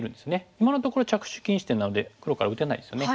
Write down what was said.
今のところ着手禁止点なので黒から打てないですよね。